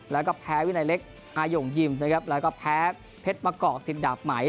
แล้วก็แพ้วินัยเล็กอาย่งยิมนะครับแล้วก็แพ้เพชรมะกอก๑๐ดาบไหม